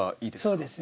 そうですね。